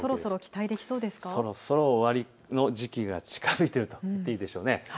そろそろ終わりの時期が近づいていると言っていいでしょう。